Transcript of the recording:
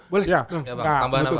boleh enggak satu